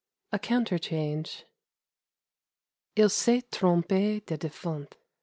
A COUNTERCHANGE "Il s'est trompe de defunte."